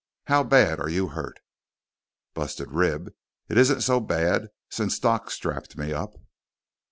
How bad are you hurt?" "Busted rib. It isn't so bad since Doc strapped me up."